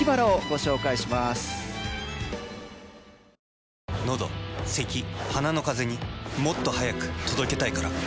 依田さん。のどせき鼻のカゼにもっと速く届けたいから。